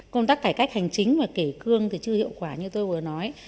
công tác cải cách hành chính và kể cương thì chưa hiệu quả như tôi vừa nói